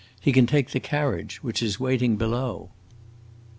He can take the carriage, which is waiting below."